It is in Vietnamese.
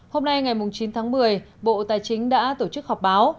hôm nay ngày chín tháng một mươi bộ tài chính đã tổ chức họp báo